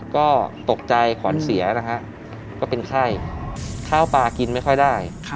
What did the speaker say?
ก็ตกใจขวัญเสียนะฮะก็เป็นไข้ข้าวปลากินไม่ค่อยได้